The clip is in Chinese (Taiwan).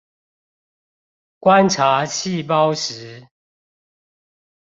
觀察細胞時